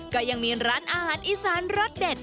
ก็ยังมีร้านอาหารอีสานรสเด็ด